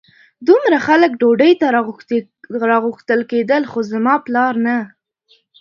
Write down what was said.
دومره خلک ډوډۍ ته راغوښتل کېدل خو زما پلار نه.